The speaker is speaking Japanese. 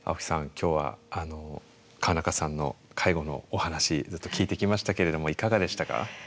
今日は川中さんの介護のお話ずっと聞いてきましたけれどもいかがでしたか？